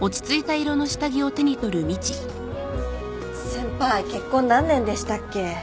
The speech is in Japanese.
先輩結婚何年でしたっけ？